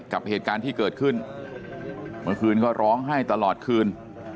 กับเหตุการณ์ที่เกิดขึ้นเมื่อคืนก็ร้องไห้ตลอดคืน